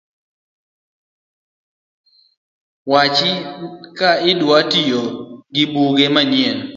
Wachi ka idwa tiyo gi buge manyien